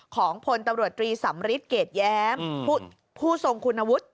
ของพลตำรวจตรีสำริทเกรดแย้มผู้ทรงคุณวุฒิ